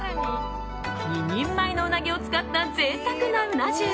２人前のうなぎを使った贅沢なうな重。